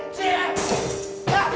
あっ！